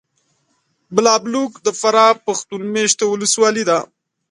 بالابلوک د فراه پښتون مېشته ولسوالي ده .